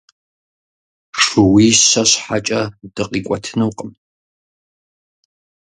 Шууищэ щхьэкӀэ дыкъикӀуэтынукъым.